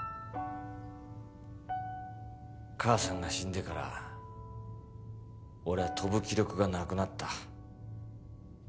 母さんが死んでから俺は跳ぶ気力がなくなった。